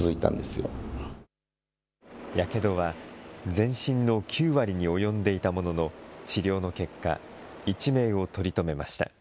全身の９割に及んでいたものの、治療の結果、一命を取り留めました。